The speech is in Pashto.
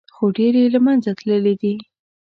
خو ډېر یې له منځه تللي دي.